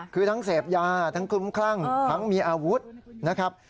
คือทั้งเสพยาทั้งคลุ้มคลั่งทั้งมีอาวุธนะครับ